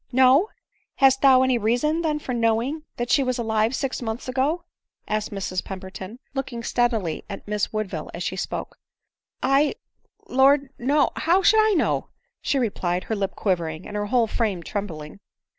" No !— Hast thou any reason then for knowing that she was alive six months ago ?" asked Mrs Pemberton, looking steadily at Miss Woodville, as she spoke. " I !— Lord — no — How should I know ?" she replied, her lip quivering, and her whole frame trembling.